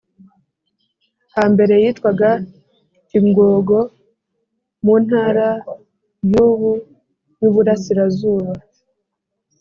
hambere yitwaga Kingogo mu Ntara y ubu y u Burasirazuba